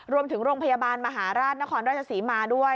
รวมถึงโรงพยาบาลมหาราชนครราชศรีมาด้วย